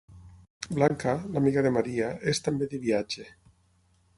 Blanca, l'amiga de Maria, és també de viatge.